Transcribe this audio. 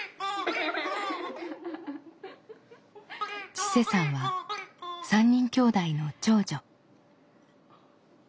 千青さんは３人きょうだいの長女。